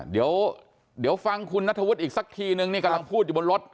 เดี๋ยวฟังคุณนัทธวุฒิอีกสักทีนึงนี่กำลังพูดอยู่บนรถ